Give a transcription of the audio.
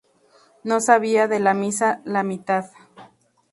No sabía de la misa la mitad